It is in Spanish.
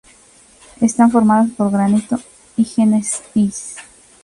Están formadas por granito y gneis.